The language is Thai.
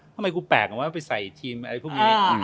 ทำไมกูแปลกวะไปใส่ทีมอะไรพวกนี้